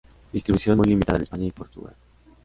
Distribución muy limitada en España y Portugal.